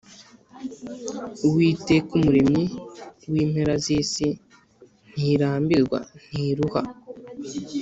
uwiteka umuremyi w’impera z’isi ntirambirwa, ntiruha